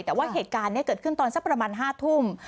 แต่ว่าเหตุการณ์นี้เกิดขึ้นตอนสักประมาณ๕ทุ่ม